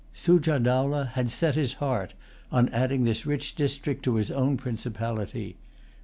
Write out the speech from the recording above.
Sujah Dowlah had set his heart on adding this rich district to his own principality.